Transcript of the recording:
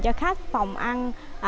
cho khách phòng ăn